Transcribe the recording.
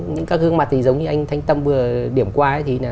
những các gương mặt thì giống như anh thanh tâm vừa điểm qua